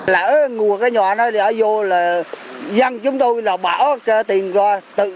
lỡ ngùa cái nhỏ nó đã vô là dân chúng tôi là bảo tiền ra